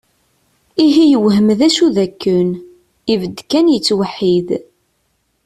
Ihi yewhem d acu d akken, ibedd kan yettweḥḥid.